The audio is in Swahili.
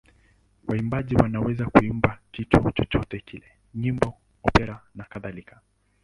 Waimbaji wanaweza kuimba kitu chochote kile: nyimbo, opera nakadhalika.